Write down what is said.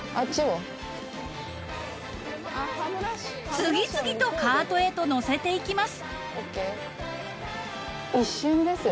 ［次々とカートへと載せていきます］